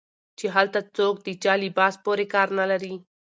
چې هلته څوک د چا لباس پورې کار نه لري